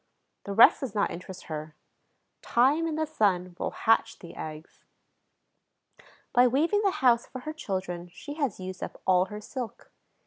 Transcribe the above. The rest does not interest her: time and the sun will hatch the eggs. By weaving the house for her children she has used up all her silk.